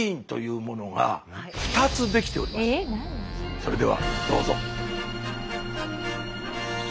それではどうぞ。